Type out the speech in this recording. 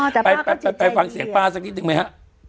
อ๋อแต่ป้าก็จริงจริงไปไปฟังเสียงป้าสักนิดหนึ่งมั้ยฮะ